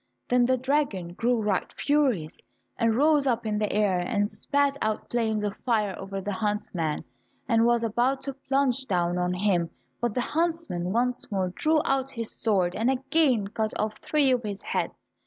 Then the dragon grew right furious, and rose up in the air, and spat out flames of fire over the huntsman, and was about to plunge down on him, but the huntsman once more drew out his sword, and again cut off three of his heads.